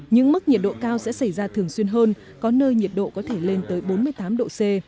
những mức nhiệt độ cao sẽ xảy ra thường xuyên hơn có nơi nhiệt độ có thể lên tới bốn mươi tám độ c